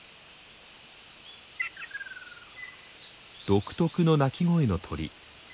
独特の鳴き声の鳥。